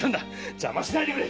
邪魔しないでくれ‼